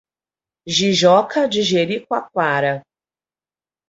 Jijoca de Jericoacoara